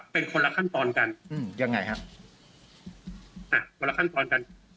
เป็นคนละขั้นตอนกันอืมยังไงฮะอ่ะวันละขั้นตอนกัน